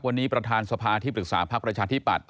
วันนี้ประธานสภาที่ปรึกษาพักประชาธิปัตย